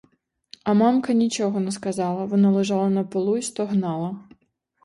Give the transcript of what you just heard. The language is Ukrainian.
А мамка нічого не сказала: вона лежала на полу й стогнала.